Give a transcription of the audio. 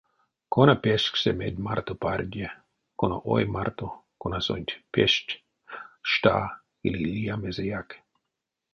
Кона пешксе медь марто парде, кона ой марто, конасонть пештть, шта или лия мезеяк.